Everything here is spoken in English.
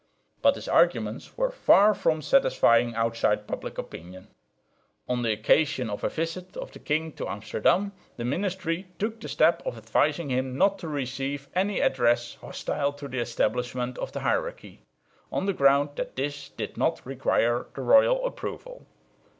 But his arguments were far from satisfying outside public opinion. On the occasion of a visit of the king to Amsterdam the ministry took the step of advising him not to receive any address hostile to the establishment of the hierarchy, on the ground that this did not require the royal approval.